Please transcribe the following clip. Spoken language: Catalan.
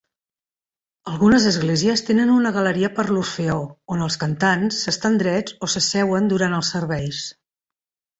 Algunes esglésies tenen una galeria per l'orfeó, on els cantants estan drets o s'asseuen durant els serveis.